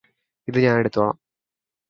ഇത് ഞാനെടുത്തോളാം